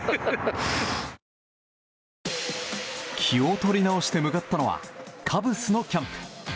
気を取り直して向かったのはカブスのキャンプ。